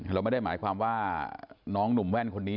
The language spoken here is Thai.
เราไม่ได้หมายความว่าน้องหนุ่มแว่นคนนี้